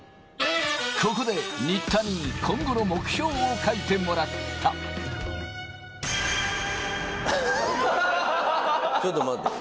ここで新田に今後の目標を書ちょっと待って。